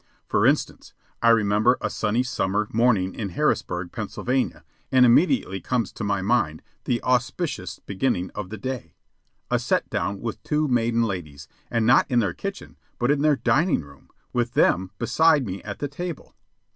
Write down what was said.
For instance, I remember a sunny summer morning in Harrisburg, Pennsylvania, and immediately comes to my mind the auspicious beginning of the day a "set down" with two maiden ladies, and not in their kitchen, but in their dining room, with them beside me at the table.